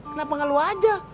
kenapa gak lu aja